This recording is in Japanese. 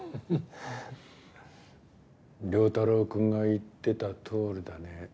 良太郎くんが言ってたとおりだね。